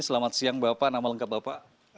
selamat siang bapak nama lengkap bapak